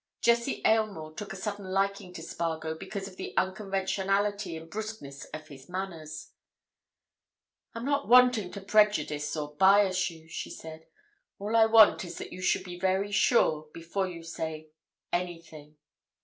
Jessie Aylmore took a sudden liking to Spargo because of the unconventionality and brusqueness of his manners. "I'm not wanting to prejudice or bias you," she said. "All I want is that you should be very sure before you say—anything."